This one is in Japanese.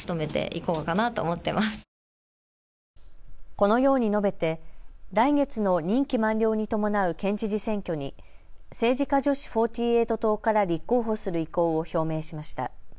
このように述べて来月の任期満了に伴う県知事選挙に政治家女子４８党から立候補する意向を表明しました。